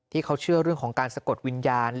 ที่เขาเชื่อเรื่องของการสะกดวิญญาณ